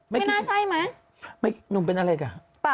ไม่น่าใช่ไหมหนุ่มเป็นอะไรกัน